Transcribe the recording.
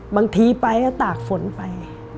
บางทีไปก็ตากฝนไป